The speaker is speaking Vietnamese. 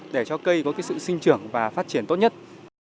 để cho cây có sự sinh trưởng và phát triển tốt nhất